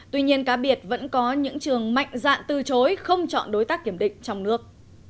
tuy nhiên cá biệt vẫn có những trường mạnh dạn từ chối không chọn đối tác kiểm định trong nước